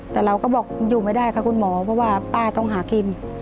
แต่เราก็บอกอยู่ไม่ได้ค่ะคุณหมอเพราะว่าป้าต้องหากิน